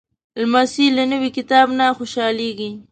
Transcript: لمسی له نوي کتاب نه خوشحالېږي.